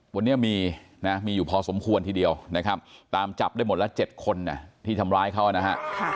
วันนี้มีนะมีอยู่พอสมควรทีเดียวนะครับตามจับได้หมดละ๗คนที่ทำร้ายเขานะฮะ